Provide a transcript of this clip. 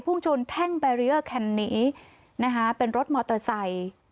พุ่งชนแท่งแบรีเออร์คันนี้นะคะเป็นรถมอเตอร์ไซค์